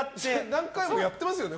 何回もやってますよね？